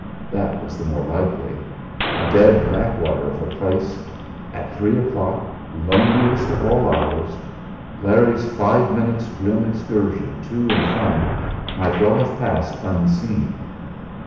That was the more likely. A dead backwater of a place. At three o'clock loneliest of all hours Larry's five minutes' grim excursion to and fro might well have passed unseen!